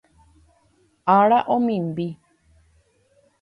Ára omimbi